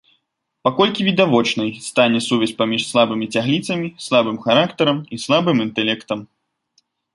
Паколькі відавочнай стане сувязь паміж слабымі цягліцамі, слабым характарам і слабым інтэлектам.